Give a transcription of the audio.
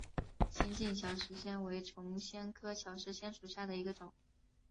新进小石藓为丛藓科小石藓属下的一个种。